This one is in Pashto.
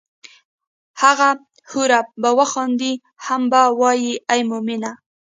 هغه حوره به وخاندي هم به وائي ای مومنه!